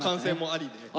ありで。